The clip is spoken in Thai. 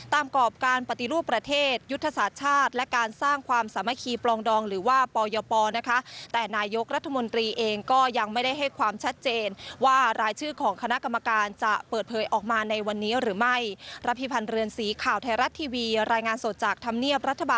ตามกรอบการปฏิรูปประเทศยุทธศาสตร์ชาติและการสร้างความสามัคคีปลองดองหรือว่าปอยปแต่นายกรัฐมนตรีเองก็ยังไม่ได้ให้ความชัดเจนว่ารายชื่อของคณะกรรมการจะเปิดเผยออกมาในวันนี้หรือไม่